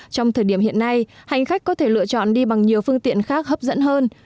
trong thời điểm hiện nay hành khách có thể lựa chọn đi bằng nhiều phương tiện khác hấp dẫn hơn